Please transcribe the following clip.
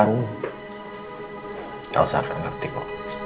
enggak usah akan ngerti ko